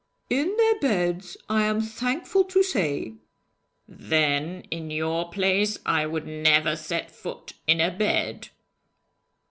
'In their beds, I am thankful to say!' 'Then, in your place, I would never set foot in a bed.'